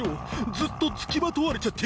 ずっとつきまとわれちゃって。